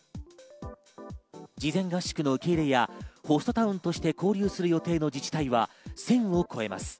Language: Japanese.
事前合宿の受け入れや、ホストタウンとして交流する予定の自治体は１０００を超えます。